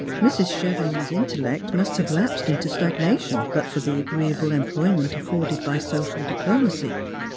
Mrs. Chevenix's intellect must have lapsed into stagnation but for the agreeable employment afforded by social diplomacy.